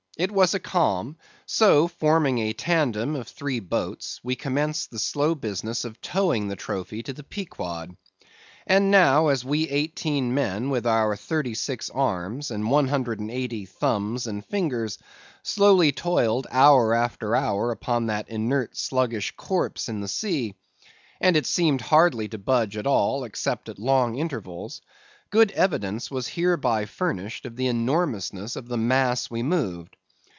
It was a calm; so, forming a tandem of three boats, we commenced the slow business of towing the trophy to the Pequod. And now, as we eighteen men with our thirty six arms, and one hundred and eighty thumbs and fingers, slowly toiled hour after hour upon that inert, sluggish corpse in the sea; and it seemed hardly to budge at all, except at long intervals; good evidence was hereby furnished of the enormousness of the mass we moved.